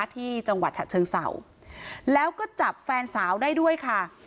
ที่จังหวัดฉะเชิงเศร้าแล้วก็จับแฟนสาวได้ด้วยค่ะ